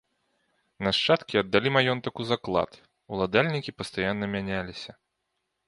Нашчадкі аддалі маёнтак у заклад, уладальнікі пастаянна мяняліся.